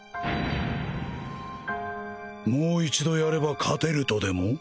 もう一度やれば勝てるとでも？